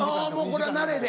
これは慣れで。